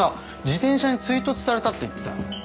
自転車に追突されたって言ってたよ。